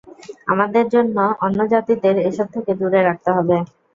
আমাদের অন্য জাতিদের এসব থেকে দূরে রাখতে হবে।